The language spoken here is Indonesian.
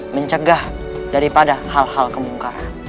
mencegah daripada hal hal kemungkaran